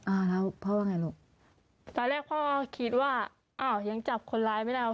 อ่าแล้วพ่อว่าไงลูกตอนแรกพ่อคิดว่าอ้าวยังจับคนร้ายไม่ได้